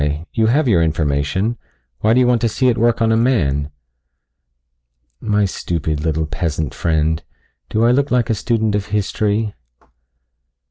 You have your information. Why do you want to see it work on a man?" "My stupid, little peasant friend, do I look like a student of history?"